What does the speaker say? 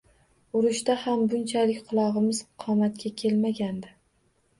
Urushda ham bunchalik qulog`imiz qomatga kelmagandi